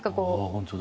本当だ。